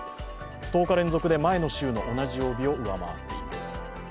十日連続で前の週の同じ曜日を上回っています。